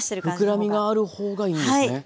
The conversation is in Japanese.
膨らみがある方がいいんですね。